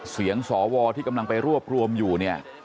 เสียงสวที่กำลังไปรวบรวมอยู่เนี่ย